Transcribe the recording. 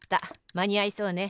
まにあいそうね。